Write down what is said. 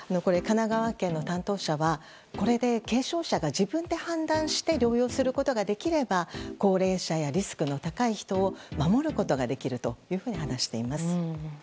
神奈川県の担当者はこれで軽症者が自分で判断して療養することができれば高齢者やリスクの高い人を守ることができるというふうに話しています。